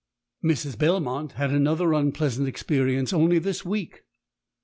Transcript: "Mrs. Belmont had another unpleasant experience only this week.